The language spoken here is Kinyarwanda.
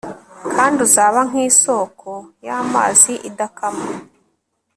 kandi uzaba nkisōko yamazi idakama